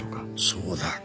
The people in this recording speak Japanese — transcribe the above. そうだ。